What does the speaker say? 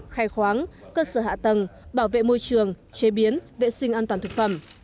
khai khoáng cơ sở hạ tầng bảo vệ môi trường chế biến vệ sinh an toàn thực phẩm